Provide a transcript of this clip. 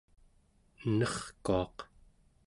enerkuaq